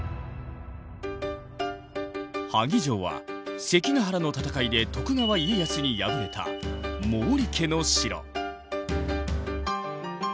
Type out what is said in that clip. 萩城は関ヶ原の戦いで徳川家康に敗れた毛利家の城。